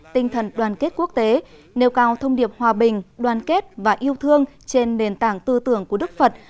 tinh thần đoàn kết quốc tế nêu cao thông điệp hòa bình đoàn kết và yêu thương trên nền tảng tư tưởng của đức phật